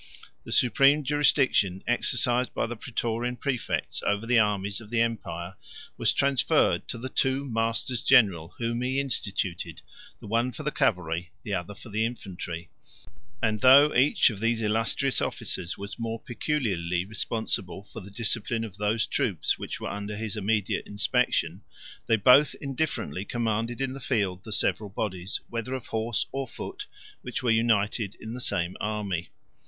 The supreme jurisdiction exercised by the Prætorian præfects over the armies of the empire, was transferred to the two masters general whom he instituted, the one for the cavalry, the other for the infantry; and though each of these illustrious officers was more peculiarly responsible for the discipline of those troops which were under his immediate inspection, they both indifferently commanded in the field the several bodies, whether of horse or foot, which were united in the same army.